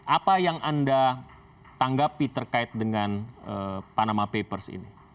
apa yang anda tanggapi terkait dengan panama papers ini